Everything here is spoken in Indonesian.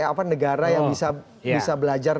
apa negara yang bisa belajar